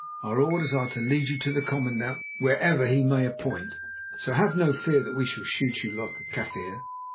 Our orders are to lead you to the commandant wherever he may appoint, so have no fear that we shall shoot you like a Kaffir.